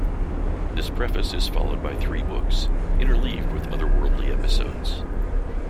This preface is followed by three books, interleaved with otherworldly episodes.